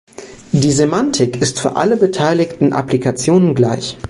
Die Semantik ist für alle beteiligten Applikationen gleich.